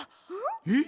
えっ？